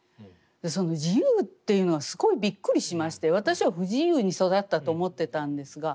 その「自由」というのがすごいびっくりしまして私は不自由に育ったと思ってたんですが。